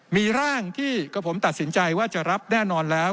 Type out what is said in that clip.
มีร่างที่กับผมตัดสินใจว่าจะรับแน่นอนแล้ว